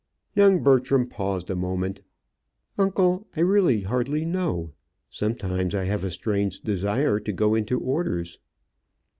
Young Bertram paused a moment. "Uncle, I really hardly know. Sometimes I have a strange desire to go into orders."